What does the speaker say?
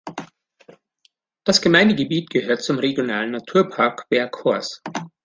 Das Gemeindegebiet gehört zum Regionalen Naturpark Vercors.